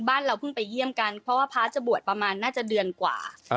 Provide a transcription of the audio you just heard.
เราเพิ่งไปเยี่ยมกันเพราะว่าพระจะบวชประมาณน่าจะเดือนกว่า